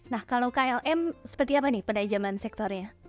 nah kalau klm seperti apa nih penajaman sektornya